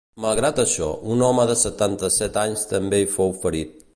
Malgrat això, un home de setanta-set anys també hi fou ferit.